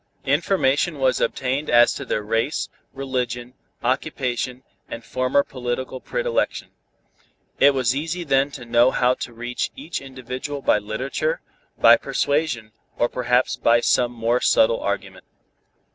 Information was obtained as to their race, religion, occupation and former political predilection. It was easy then to know how to reach each individual by literature, by persuasion or perhaps by some more subtle argument.